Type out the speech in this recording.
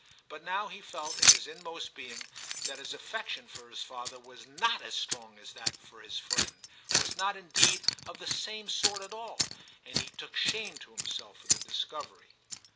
But now he felt in his inmost being that his affection for his father was not as strong as that for his friend, — was not, indeed, of the same sort at all, and he took shame to himself for the discovery.